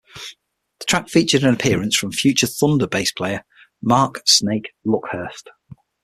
The track featured an appearance from future Thunder bass player Mark 'Snake' Luckhurst.